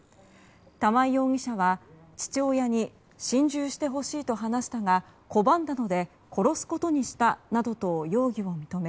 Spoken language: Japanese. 玉井容疑者は父親に心中してほしいと話したが拒んだので殺すことにしたなどと容疑を認め